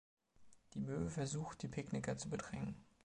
Die Möwe versucht, die Picknicker zu bedrängen.